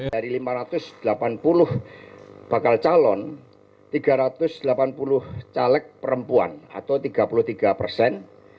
dari lima ratus delapan puluh bakal calon tiga ratus delapan puluh caleg perempuan atau tiga puluh tiga persen